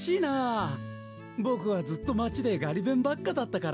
ボクはずっとまちでガリべんばっかだったから。